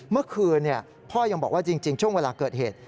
เมื่อคืนพ่อยังบอกว่าจริงช่วงเวลาเกิดเหตุ